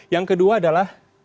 yang kedua adalah